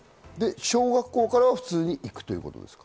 小学校からは普通に行くということですか？